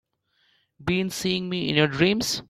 Been seeing me in your dreams?